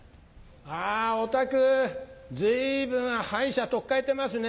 あおたく随分歯医者取っ換えてますね。